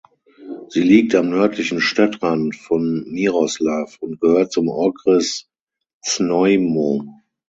Sie liegt am nördlichen Stadtrand von Miroslav und gehört zum Okres Znojmo.